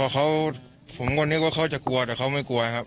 ผมก็นึกว่าเขาจะกลัวแต่เขาไม่กลัวครับ